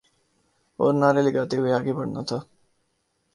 اورنعرے لگاتے ہوئے آگے بڑھنا تھا۔